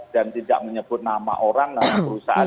dan tidak menyebut nama orang nama perusahaan